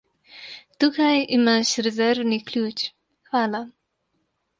Tukaj imaš rezervni ključ, hvala.